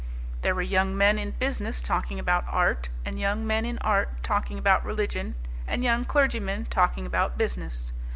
There were young men in business talking about art, and young men in art talking about religion, and young clergymen talking about business.